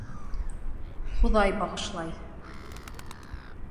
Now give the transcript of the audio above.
Хоҙай бағышлай.